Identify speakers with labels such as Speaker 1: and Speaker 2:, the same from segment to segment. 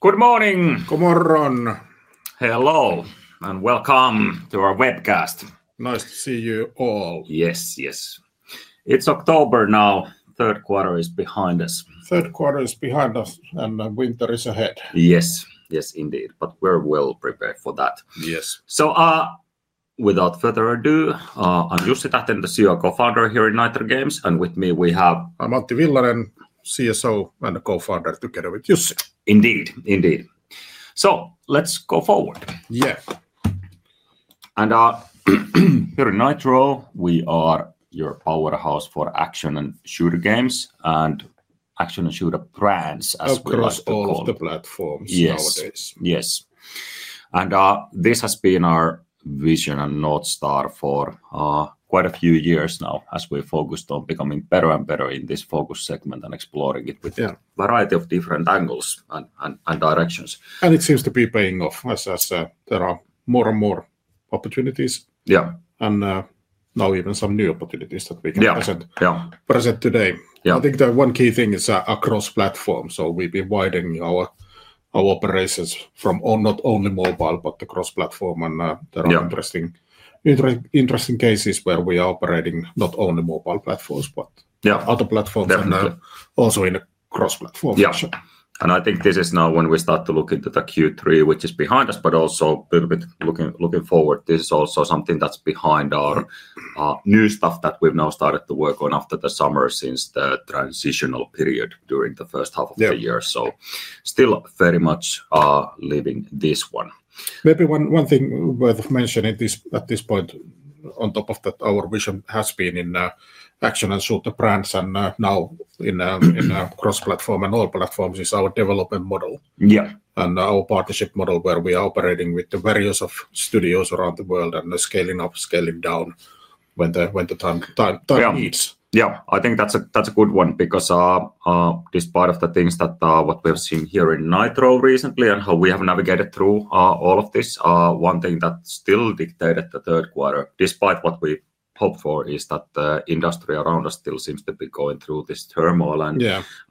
Speaker 1: Good morning!
Speaker 2: God morgon!
Speaker 1: Hello and welcome to our webcast!
Speaker 2: Nice to see you all!
Speaker 1: Yes, yes. It's October now, third quarter is behind us.
Speaker 2: Third quarter is behind us, and winter is ahead.
Speaker 1: Yes, yes indeed, we're well prepared for that.
Speaker 2: Yes.
Speaker 1: Without further ado, I'm Jussi Tähtinen, the CEO and Co-founder here in Nitro Games, and with me we have...
Speaker 2: I'm Antti Villanen, CSO and Co-founder together with Jussi.
Speaker 1: Indeed, indeed. Let's go forward.
Speaker 2: Yeah.
Speaker 1: Here in Nitro Games, we are your powerhouse for action and shooter games and action and shooter brands as well.
Speaker 2: Across all of the platforms nowadays.
Speaker 1: Yes, yes. This has been our vision and North Star for quite a few years now, as we focused on becoming better and better in this focus segment and exploring it with a variety of different angles and directions.
Speaker 2: It seems to be paying off as there are more and more opportunities.
Speaker 1: Yeah.
Speaker 2: We now have even some new opportunities that we can present today.
Speaker 1: Yeah, yeah.
Speaker 2: I think the one key thing is cross-platform, so we've been widening our operations from not only mobile but cross-platform, and there are interesting cases where we are operating not only mobile platforms but other platforms and also in a cross-platform fashion.
Speaker 1: Yeah, I think this is now when we start to look into the Q3, which is behind us, but also a bit looking forward. This is also something that's behind our new stuff that we've now started to work on after the summer since the transitional period during the first half of the year, still very much living this one.
Speaker 2: Maybe one thing worth mentioning at this point on top of that, our vision has been in action and shooter brands and now in cross-platform and all platforms is our development model.
Speaker 1: Yeah.
Speaker 2: Our partnership model, where we are operating with the various studios around the world and scaling up, scaling down when the time needs.
Speaker 1: Yeah, I think that's a good one because despite the things that we've seen here in Nitro Games recently and how we have navigated through all of this, one thing that still dictated the third quarter, despite what we hoped for, is that the industry around us still seems to be going through this turmoil,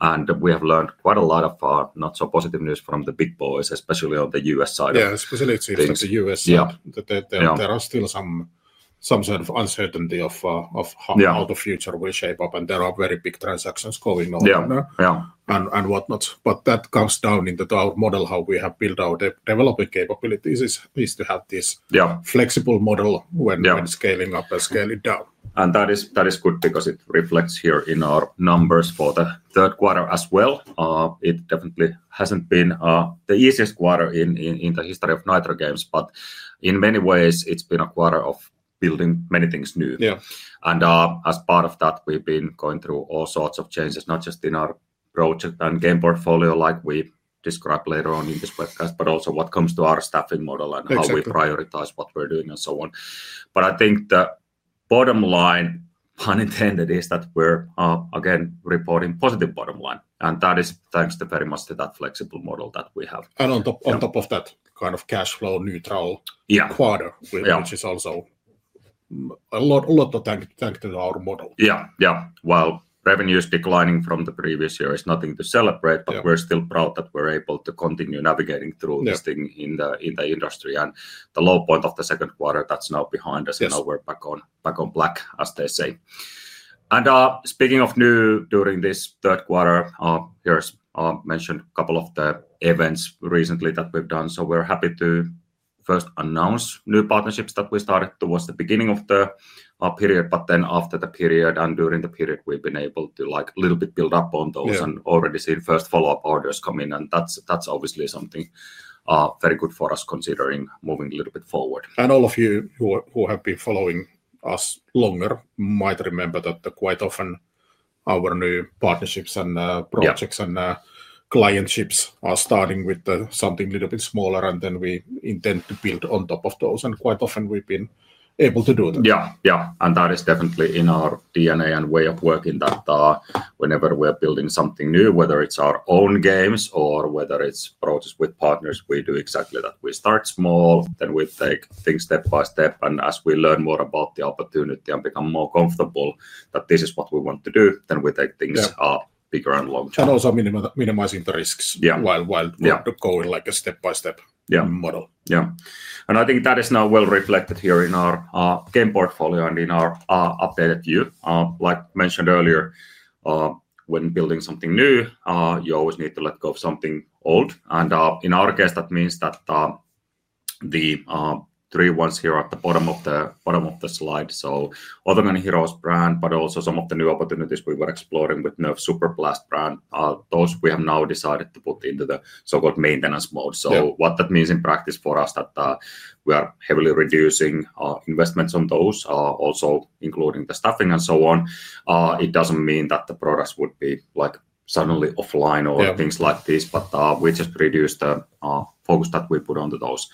Speaker 1: and we have learned quite a lot of not so positive news from the big boys, especially on the U.S. side.
Speaker 2: Yeah, especially it seems like the U.S. side, that there are still some sort of uncertainty of how the future will shape up, and there are very big transactions going on and whatnot, but that comes down into our model. How we have built our development capabilities is to have this flexible model when scaling up and scaling down.
Speaker 1: That is good because it reflects here in our numbers for the third quarter as well. It definitely hasn't been the easiest quarter in the history of Nitro Games, but in many ways it's been a quarter of building many things new.
Speaker 2: Yeah.
Speaker 1: As part of that, we've been going through all sorts of changes, not just in our project and game portfolio like we describe later on in this webcast, but also when it comes to our staffing model and how we prioritize what we're doing and so on. I think the bottom line, pun intended, is that we're again reporting positive bottom line, and that is thanks very much to that flexible model that we have.
Speaker 2: On top of that, kind of cash flow neutral quarter, which is also a lot to thank our model.
Speaker 1: Yeah, revenues declining from the previous year is nothing to celebrate, but we're still proud that we're able to continue navigating through this thing in the industry and the low point of the second quarter that's now behind us, and now we're back on black, as they say. Speaking of new during this third quarter, here's a mention of a couple of the events recently that we've done. We're happy to first announce new partnerships that we started towards the beginning of the period, but then after the period and during the period, we've been able to like a little bit build up on those and already seen first follow-up orders come in, and that's obviously something very good for us considering moving a little bit forward.
Speaker 2: All of you who have been following us longer might remember that quite often our new partnerships, projects, and clientships are starting with something a little bit smaller, and then we intend to build on top of those. Quite often we've been able to do that.
Speaker 1: Yeah, that is definitely in our DNA and way of working that whenever we're building something new, whether it's our own games or whether it's projects with partners, we do exactly that. We start small, then we take things step by step, and as we learn more about the opportunity and become more comfortable that this is what we want to do, we take things bigger and longer.
Speaker 2: Minimizing the risks while going like a step-by-step model.
Speaker 1: Yeah, yeah, and I think that is now well reflected here in our game portfolio and in our updated view. Like mentioned earlier, when building something new, you always need to let go of something old, and in our case, that means that the three ones here at the bottom of the slide, so Autogun Heroes brand, but also some of the new opportunities we were exploring with Nerf Super Blast brand, those we have now decided to put into the so-called maintenance mode. What that means in practice for us is that we are heavily reducing investments on those, also including the staffing and so on. It doesn't mean that the products would be like suddenly offline or things like this, but we just reduce the focus that we put onto those.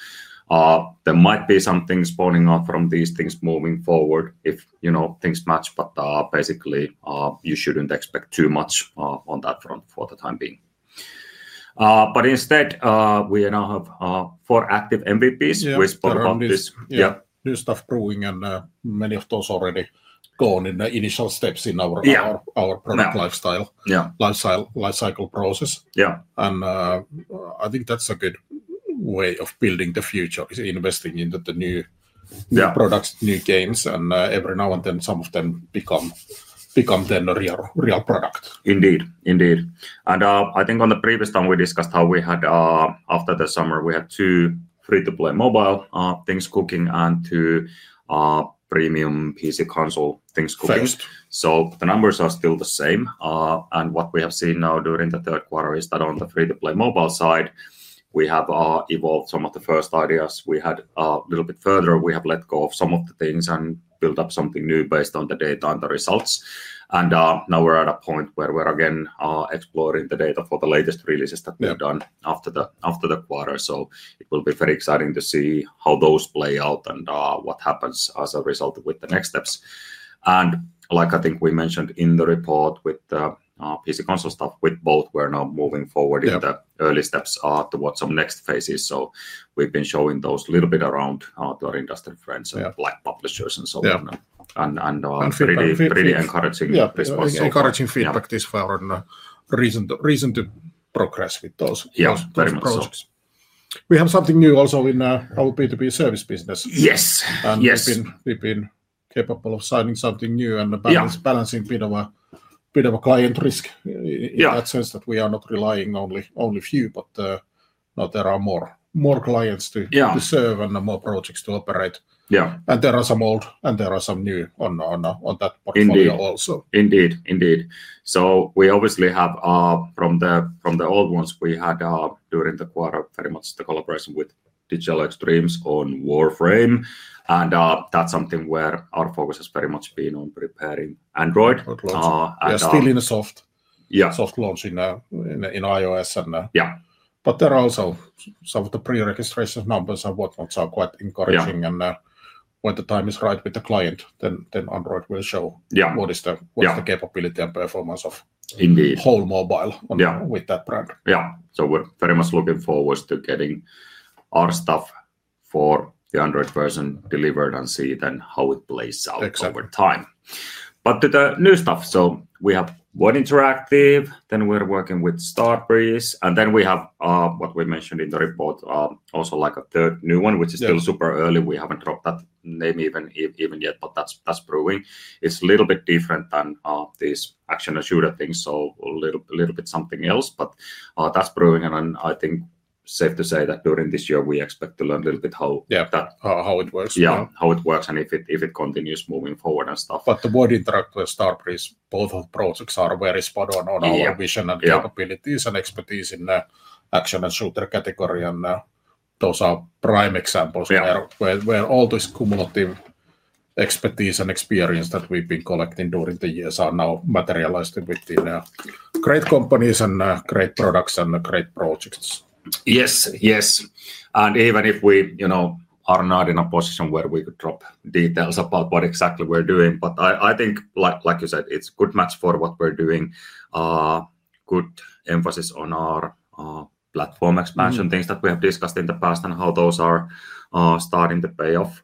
Speaker 1: There might be some things spawning up from these things moving forward if, you know, things match, but basically you shouldn't expect too much on that front for the time being. Instead, we now have four active MVPs. We spoke about this.
Speaker 2: Yeah, Gustav Bruhing and many of those already gone in the initial steps in our product lifecycle process.
Speaker 1: Yeah.
Speaker 2: I think that's a good way of building the future, investing in the new products, new games, and every now and then some of them become a real product.
Speaker 1: Indeed, indeed. I think on the previous time we discussed how we had, after the summer, we had two free-to-play mobile things cooking, and two premium PC console things cooking.
Speaker 2: Things.
Speaker 1: The numbers are still the same, and what we have seen now during Q3 is that on the free-to-play mobile side, we have evolved some of the first ideas we had a little bit further. We have let go of some of the things and built up something new based on the data and the results. Now we're at a point where we're again exploring the data for the latest releases that we've done after the quarter. It will be very exciting to see how those play out and what happens as a result with the next steps. I think we mentioned in the report with the PC console stuff, with both, we're now moving forward in the early steps towards some next phases. We've been showing those a little bit around to our industry friends and publishers and so on, and really encouraging response.
Speaker 2: Encouraging feedback this far, and reason to progress with those projects.
Speaker 1: Yeah, very much so.
Speaker 2: We have something new also in our B2B service business.
Speaker 1: Yes, yes.
Speaker 2: We have been capable of signing something new and balancing a bit of a client risk in that sense that we are not relying only on a few, but now there are more clients to serve and more projects to operate.
Speaker 1: Yeah.
Speaker 2: There are some old and there are some new on that portfolio also.
Speaker 1: Indeed, indeed. We obviously have, from the old ones, we had during the quarter very much the collaboration with Digital Extremes on Warframe, and that's something where our focus has very much been on preparing Android.
Speaker 2: Largely still in a soft launch in iOS.
Speaker 1: Yeah.
Speaker 2: There are also some of the pre-registration numbers and whatnot that are quite encouraging, and when the time is right with the client, then Android will show what is the capability and performance of the whole mobile with that brand.
Speaker 1: Yeah, we are very much looking forward to getting our stuff for the Android version delivered and see then how it plays out over time.
Speaker 2: Exactly.
Speaker 1: To the new stuff, we have One Interactive, we're working with Starbreeze, and we have what we mentioned in the report, also like a third new one, which is still super early. We haven't dropped that name even yet, but that's brewing. It's a little bit different than these action and shooter things, so a little bit something else, but that's brewing, and I think safe to say that during this year we expect to learn a little bit how that.
Speaker 2: How it works.
Speaker 1: Yeah, how it works and if it continues moving forward.
Speaker 2: The One Interactive and Starbreeze, both of the projects are very spot on our vision and capabilities and expertise in the action and shooter category, and those are prime examples where all this cumulative expertise and experience that we've been collecting during the years are now materialized within great companies and great products and great projects.
Speaker 1: Yes, and even if we are not in a position where we could drop details about what exactly we're doing, I think, like you said, it's a good match for what we're doing, good emphasis on our platform expansion things that we have discussed in the past and how those are starting to pay off.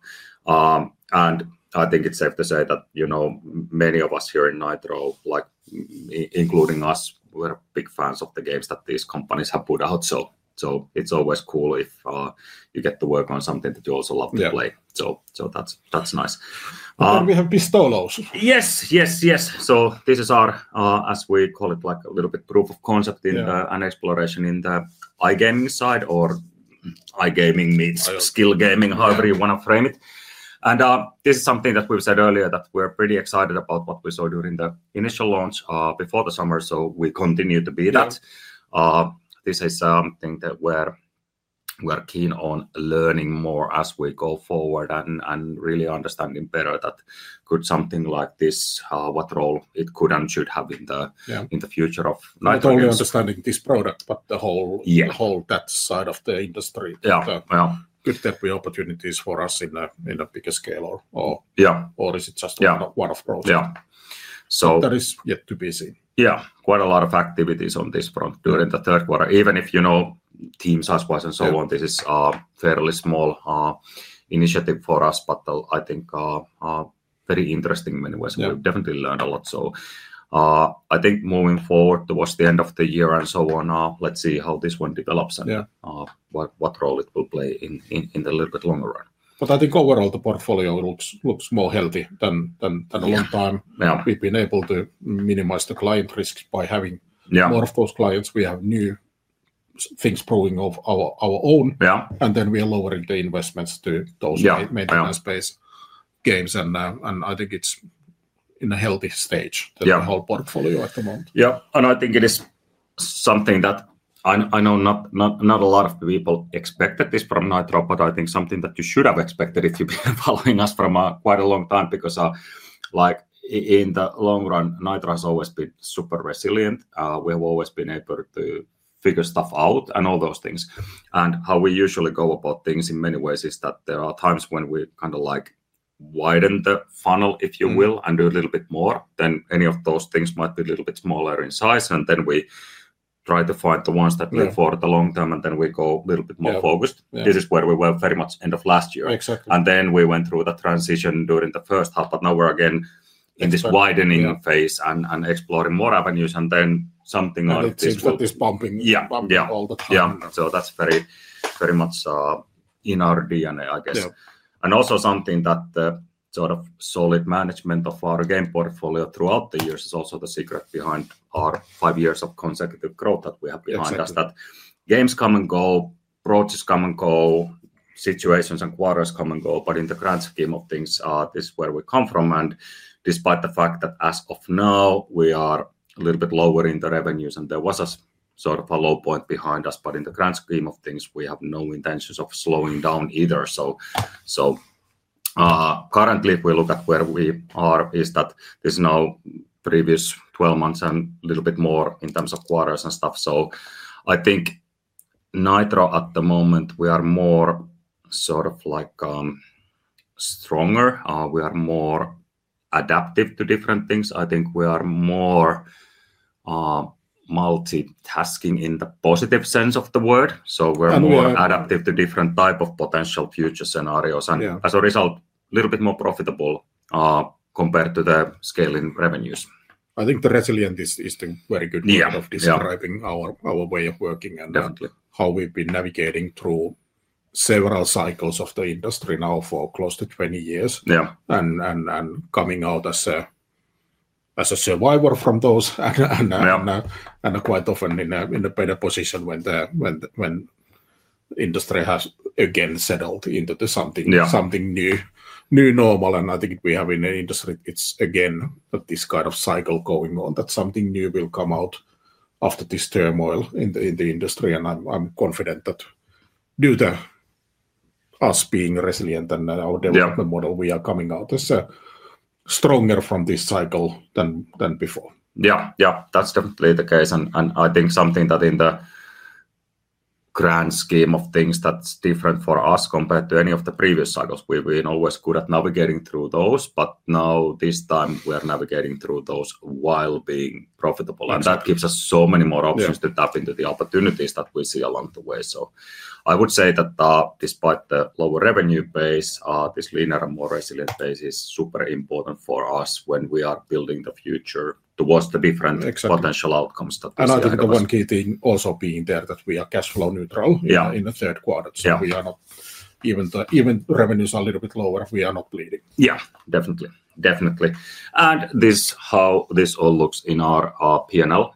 Speaker 1: I think it's safe to say that many of us here in Nitro Games, including us, we're big fans of the games that these companies have put out, so it's always cool if you get to work on something that you also love to play, so that's nice.
Speaker 2: We have Pistolos.
Speaker 1: Yes, yes, yes, this is our, as we call it, a little bit proof of concept and exploration in the iGaming side or iGaming meets skill gaming, however you want to frame it. This is something that we've said earlier that we're pretty excited about what we saw during the initial launch before the summer, and we continue to be that. This is something that we're keen on learning more as we go forward and really understanding better that could something like this, what role it could and should have in the future of Nitro Games.
Speaker 2: Not only understanding this product, but the whole that side of the industry.
Speaker 1: Yeah, yeah.
Speaker 2: Could there be opportunities for us in a bigger scale, or is it just one approach?
Speaker 1: Yeah, so.
Speaker 2: That is yet to be seen.
Speaker 1: Yeah, quite a lot of activities on this front during Q3, even if, you know, teams as well and so on, this is a fairly small initiative for us, but I think very interesting in many ways. We've definitely learned a lot. I think moving forward towards the end of the year and so on, let's see how this one develops and what role it will play in the little bit longer run.
Speaker 2: I think overall the portfolio looks more healthy than a long time.
Speaker 1: Yeah.
Speaker 2: We've been able to minimize the client concentration risk by having more of those clients. We have new things brewing of our own.
Speaker 1: Yeah.
Speaker 2: We are lowering the investments to those maintenance-based games, and I think it's in a healthy stage, the whole portfolio at the moment.
Speaker 1: Yeah, I think it is something that I know not a lot of people expected this from Nitro Games, but I think something that you should have expected if you've been following us for quite a long time because, like, in the long run, Nitro Games has always been super resilient. We've always been able to figure stuff out and all those things, and how we usually go about things in many ways is that there are times when we kind of like widen the funnel, if you will, and do a little bit more. Any of those things might be a little bit smaller in size, and then we try to find the ones that pay for the long term, and then we go a little bit more focused. This is where we were very much end of last year.
Speaker 2: Exactly.
Speaker 1: We went through the transition during the first half, but now we're again in this widening phase and exploring more avenues, and then something like this.
Speaker 2: It seems that this is bumping all the time.
Speaker 1: Yeah, that's very much in our DNA, I guess.
Speaker 2: Yeah.
Speaker 1: The sort of solid management of our game portfolio throughout the years is also the secret behind our five years of consecutive growth that we have behind us. Games come and go, projects come and go, situations and quarters come and go, but in the grand scheme of things, this is where we come from. Despite the fact that as of now we are a little bit lower in the revenues, and there was a sort of a low point behind us, in the grand scheme of things, we have no intentions of slowing down either. Currently, if we look at where we are, there's no previous 12 months and a little bit more in terms of quarters and stuff. I think Nitro at the moment, we are more sort of like stronger. We are more adaptive to different things. I think we are more multitasking in the positive sense of the word, so we're more adaptive to different types of potential future scenarios, and as a result, a little bit more profitable compared to the scaling revenues.
Speaker 2: I think the resilience is a very good way of describing our way of working and how we've been navigating through several cycles of the industry now for close to 20 years.
Speaker 1: Yeah.
Speaker 2: Coming out as a survivor from those and quite often in a better position when the industry has again settled into something new, new normal, I think we have in the industry, it's again this kind of cycle going on that something new will come out after this turmoil in the industry. I'm confident that due to us being resilient and our development model, we are coming out as stronger from this cycle than before.
Speaker 1: Yeah, that's definitely the case, and I think something that in the grand scheme of things, that's different for us compared to any of the previous cycles. We've been always good at navigating through those, but now this time, we are navigating through those while being profitable, and that gives us so many more options to tap into the opportunities that we see along the way. I would say that despite the lower revenue base, this linear and more resilient base is super important for us when we are building the future towards the different potential outcomes that we see.
Speaker 2: I think the one key thing also being there is that we are cash flow neutral in Q3, so even if revenues are a little bit lower, we are not bleeding.
Speaker 1: Yeah, definitely, definitely. This is how this all looks in our P&L.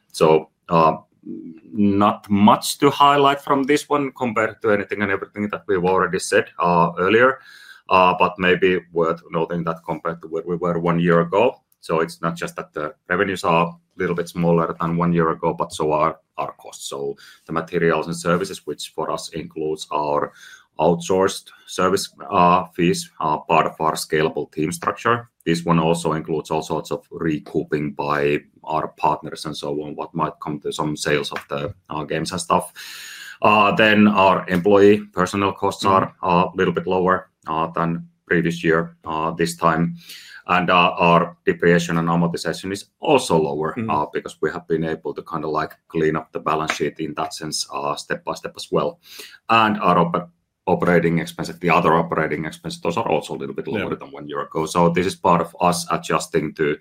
Speaker 1: Not much to highlight from this one compared to anything and everything that we've already said earlier, but maybe worth noting that compared to where we were one year ago, it's not just that the revenues are a little bit smaller than one year ago, but so are our costs. The materials and services, which for us includes our outsourced service fees, part of our scalable team structure, also includes all sorts of recouping by our partners and so on, what might come to some sales of the games and stuff. Our employee personnel costs are a little bit lower than previous year this time, and our depreciation and amortization is also lower because we have been able to kind of clean up the balance sheet in that sense step by step as well. Our operating expenses, the other operating expenses, those are also a little bit lower than one year ago. This is part of us adjusting to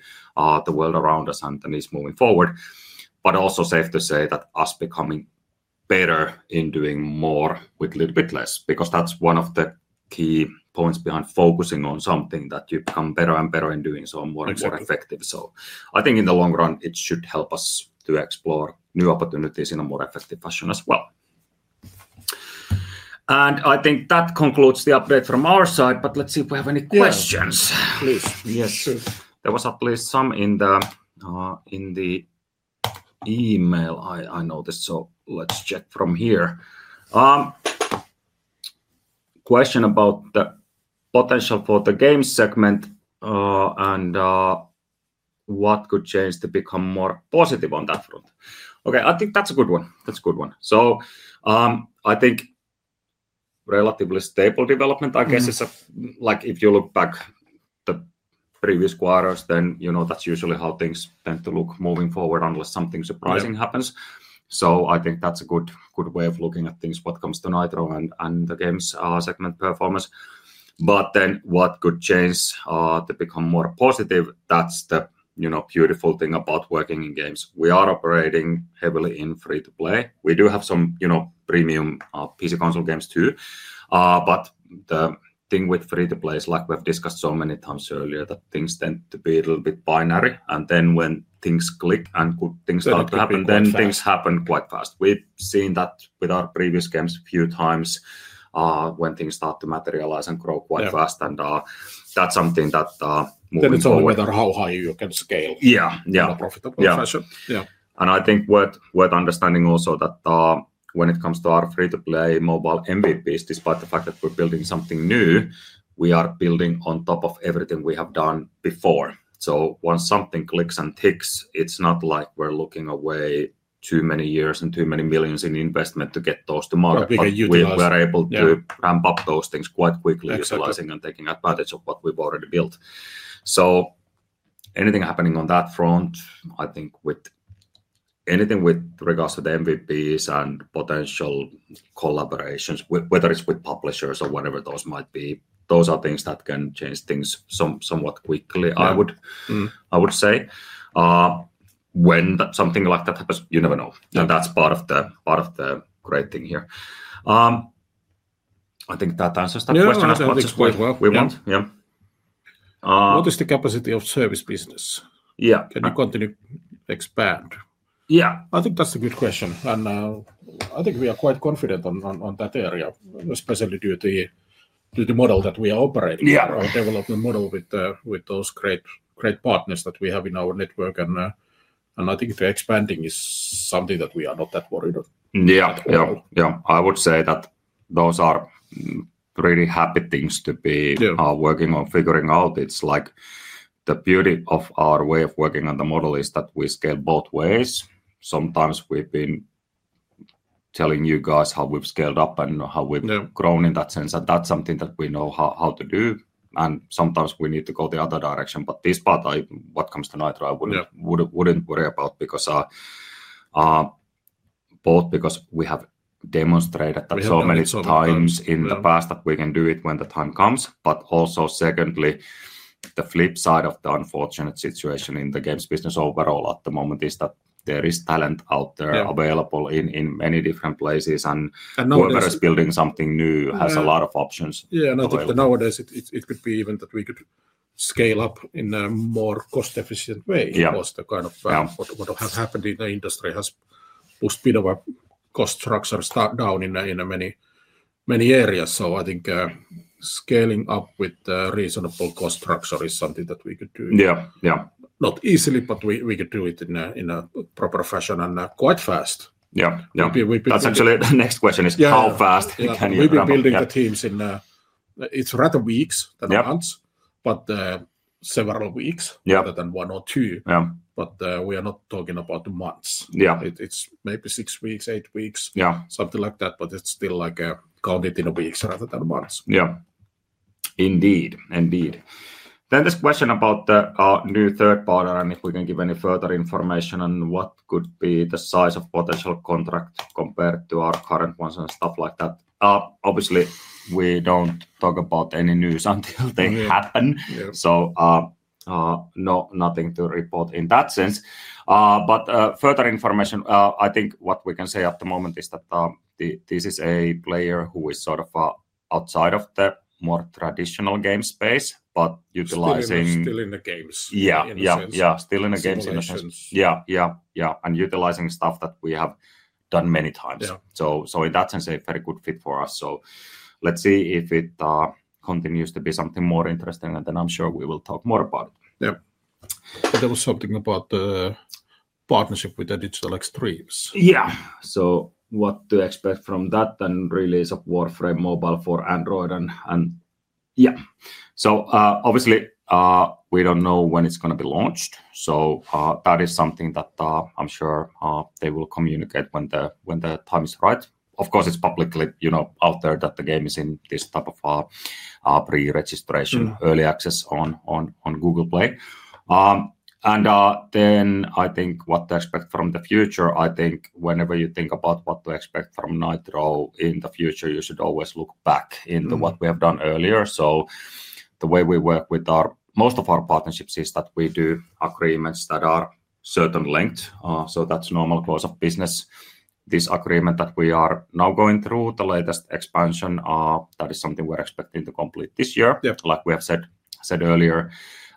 Speaker 1: the world around us and the needs moving forward. It is also safe to say that us becoming better in doing more with a little bit less because that's one of the key points behind focusing on something that you become better and better in doing, so more effective. I think in the long run, it should help us to explore new opportunities in a more effective fashion as well. I think that concludes the update from our side, but let's see if we have any questions.
Speaker 2: Please, yes, please. There was at least some in the email I noticed, so let's check from here. Question about the potential for the games segment and what could change to become more positive on that front. Okay, I think that's a good one. That's a good one. I think relatively stable development, I guess, is like if you look back at the previous quarters, then you know that's usually how things tend to look moving forward unless something surprising happens. I think that's a good way of looking at things, what comes to Nitro Games and the games segment performance. What could change to become more positive, that's the beautiful thing about working in games. We are operating heavily in free-to-play. We do have some premium PC console games too, but the thing with free-to-play is like we've discussed so many times earlier that things tend to be a little bit binary, and when things click and good things start to happen, then things happen quite fast. We've seen that with our previous games a few times when things start to materialize and grow quite fast, and that's something that moving forward. It's all whether how high you can scale.
Speaker 1: Yeah, yeah.
Speaker 2: In a profitable fashion.
Speaker 1: Yeah. I think worth understanding also that when it comes to our free-to-play mobile MVPs, despite the fact that we're building something new, we are building on top of everything we have done before. Once something clicks and ticks, it's not like we're looking away too many years and too many millions in investment to get those to market. We're able to ramp up those things quite quickly, utilizing and taking advantage of what we've already built. Anything happening on that front, I think with anything with regards to the MVPs and potential collaborations, whether it's with publishers or whatever those might be, those are things that can change things somewhat quickly, I would say. When something like that happens, you never know, and that's part of the great thing here. I think that answers that question as well.
Speaker 2: That's quite well. Yeah. What is the capacity of service business?
Speaker 1: Yeah.
Speaker 2: Can you continue to expand?
Speaker 1: Yeah, I think that's a good question, and I think we are quite confident on that area, especially due to the model that we are operating on, our development model with those great partners that we have in our network. I think the expanding is something that we are not that worried about. I would say that those are pretty happy things to be working on figuring out. It's like the beauty of our way of working on the model is that we scale both ways. Sometimes we've been telling you guys how we've scaled up and how we've grown in that sense, and that's something that we know how to do, and sometimes we need to go the other direction. This part, what comes to Nitro, I wouldn't worry about because both because we have demonstrated that so many times in the past that we can do it when the time comes, but also, secondly, the flip side of the unfortunate situation in the games business overall at the moment is that there is talent out there available in many different places, and whoever is building something new has a lot of options.
Speaker 2: Yeah, I think that nowadays it could be even that we could scale up in a more cost-efficient way because what has happened in the industry has pushed a bit of a cost structure down in many areas, so I think scaling up with a reasonable cost structure is something that we could do.
Speaker 1: Yeah, yeah.
Speaker 2: Not easily, but we could do it in a proper fashion and quite fast.
Speaker 1: Yeah, yeah. That's actually the next question. How fast can you do it?
Speaker 2: We've been building the teams in, it's rather weeks than months, but several weeks rather than one or two. We are not talking about months.
Speaker 1: Yeah.
Speaker 2: It's maybe six weeks, eight weeks, something like that, but it's still like count it in weeks rather than months.
Speaker 1: Yeah, indeed. This question about the new third partner and if we can give any further information on what could be the size of potential contract compared to our current ones and stuff like that. Obviously, we don't talk about any news until they happen, so no, nothing to report in that sense. Further information, I think what we can say at the moment is that this is a player who is sort of outside of the more traditional game space, but utilizing.
Speaker 2: Still in the games, in a sense.
Speaker 1: Yeah, still in the games, in a sense.
Speaker 2: In a sense.
Speaker 1: Yeah, yeah, and utilizing stuff that we have done many times, so in that sense, a very good fit for us. Let's see if it continues to be something more interesting, and then I'm sure we will talk more about it.
Speaker 2: Yeah, there was something about the partnership with Digital Extremes.
Speaker 1: Yeah, so what to expect from that and release of Warframe Mobile for Android, and yeah, obviously, we don't know when it's going to be launched, so that is something that I'm sure they will communicate when the time is right. Of course, it's publicly out there that the game is in this type of pre-registration, early access on Google Play, and then I think what to expect from the future, I think whenever you think about what to expect from Nitro in the future, you should always look back into what we have done earlier. The way we work with most of our partnerships is that we do agreements that are certain lengths, so that's normal close-up business. This agreement that we are now going through, the latest expansion, that is something we're expecting to complete this year, like we have said earlier,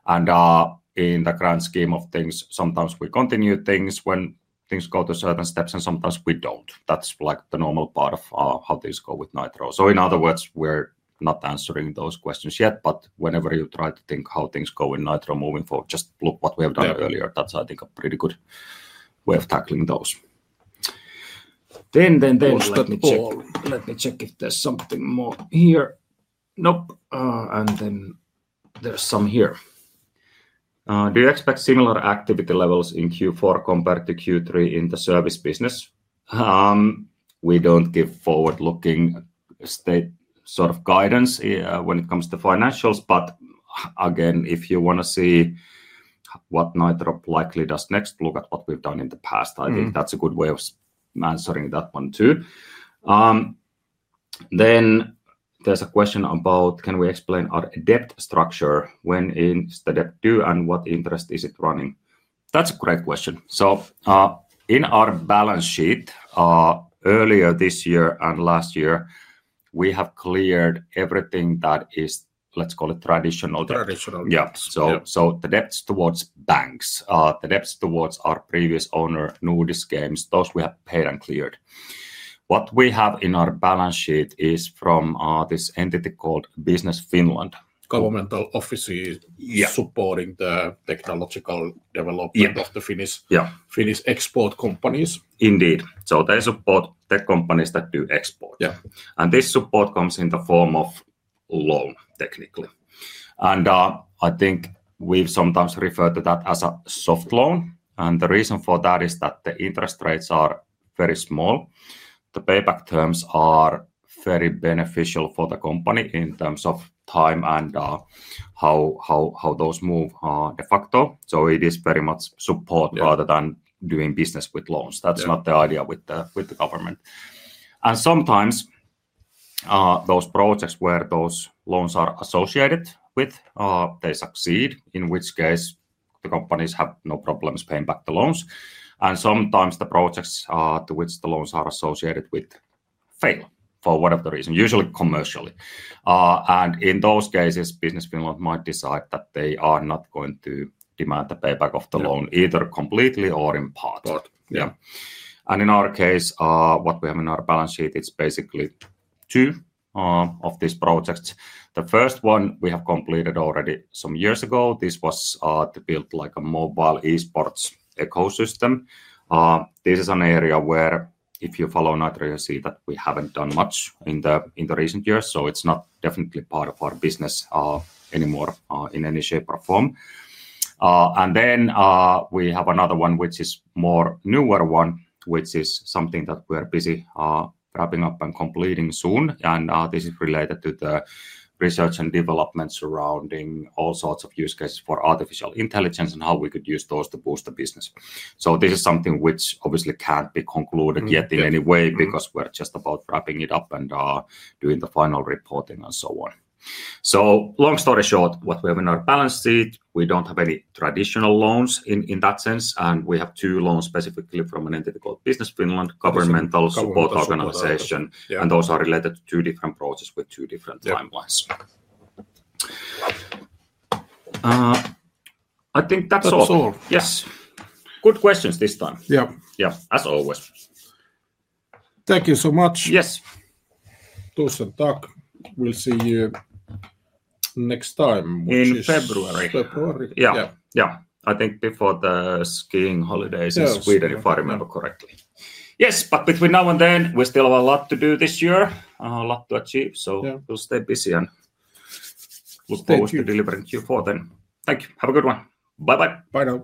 Speaker 1: and in the grand scheme of things, sometimes we continue things when things go to certain steps, and sometimes we don't. That's the normal part of how things go with Nitro. In other words, we're not answering those questions yet, but whenever you try to think how things go in Nitro moving forward, just look what we have done earlier. That's, I think, a pretty good way of tackling those. Let me check if there's something more here. Nope, and then there's some here. Do you expect similar activity levels in Q4 compared to Q3 in the service business? We don't give forward-looking state sort of guidance when it comes to financials, but again, if you want to see what Nitro likely does next, look at what we've done in the past. I think that's a good way of answering that one too. There's a question about can we explain our debt structure? When is the debt due and what interest is it running? That's a great question. In our balance sheet, earlier this year and last year, we have cleared everything that is, let's call it, traditional debt.
Speaker 2: Traditional.
Speaker 1: Yeah, so the debts towards banks, the debts towards our previous owner, Nordisk Games, those we have paid and cleared. What we have in our balance sheet is from this entity called Business Finland.
Speaker 2: Governmental offices supporting the technological development of the Finnish export companies.
Speaker 1: Indeed, they support tech companies that do export, and this support comes in the form of a loan, technically, and I think we've sometimes referred to that as a soft loan, and the reason for that is that the interest rates are very small. The payback terms are very beneficial for the company in terms of time and how those move de facto, so it is very much support rather than doing business with loans. That's not the idea with the government. Sometimes those projects where those loans are associated with succeed, in which case the companies have no problems paying back the loans, and sometimes the projects to which the loans are associated with fail for whatever the reason, usually commercially. In those cases, Business Finland might decide that they are not going to demand the payback of the loan either completely or in part.
Speaker 2: Part, yeah.
Speaker 1: In our case, what we have in our balance sheet, it's basically two of these projects. The first one we have completed already some years ago. This was to build like a mobile eSports ecosystem. This is an area where, if you follow Nitro Games, you see that we haven't done much in the recent years, so it's not definitely part of our business anymore in any shape or form. We have another one, which is a more newer one, which is something that we are busy wrapping up and completing soon, and this is related to the research and development surrounding all sorts of use cases for artificial intelligence and how we could use those to boost the business. This is something which obviously can't be concluded yet in any way because we're just about wrapping it up and doing the final reporting and so on. Long story short, what we have in our balance sheet, we don't have any traditional loans in that sense, and we have two loans specifically from an entity called Business Finland, governmental support organization, and those are related to two different projects with two different timelines. I think that's all.
Speaker 2: That's all.
Speaker 1: Yes, good questions this time.
Speaker 2: Yeah.
Speaker 1: Yeah, as always.
Speaker 2: Thank you so much.
Speaker 1: Yes.
Speaker 2: Tusen tack. We'll see you next time, which is.
Speaker 1: In February.
Speaker 2: February, yeah.
Speaker 1: Yeah, yeah, I think before the skiing holidays in Sweden, if I remember correctly. Yes, but between now and then, we still have a lot to do this year, a lot to achieve, so we'll stay busy and look forward to delivering Q4 then. Thank you. Have a good one. Bye-bye.
Speaker 2: Bye now.